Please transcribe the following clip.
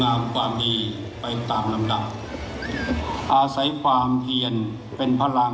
ถือว่าชีวิตที่ผ่านมายังมีความเสียหายแก่ตนและผู้อื่น